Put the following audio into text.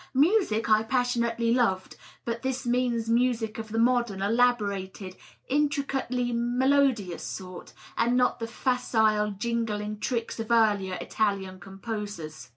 Music I passionately loved, but this means music of the modern, elaborated, intricately melodious sort, and not the facile jingling tricks of earlier Italian composers.